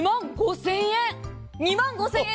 ２万５０００円。